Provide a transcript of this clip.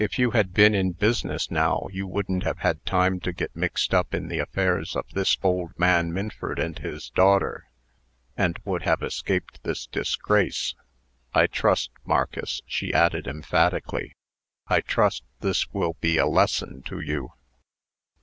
If you had been in business now, you wouldn't have had time to get mixed up in the affairs of this old man Minford and his daughter, and would have escaped this disgrace. I trust, Marcus," she added, emphatically, "I trust this will be a lesson to you."